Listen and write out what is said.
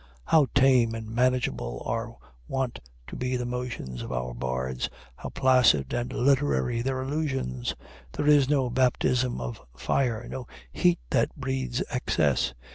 How tame and manageable are wont to be the emotions of our bards, how placid and literary their allusions! There is no baptism of fire; no heat that breeds excess.